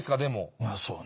まあそうね。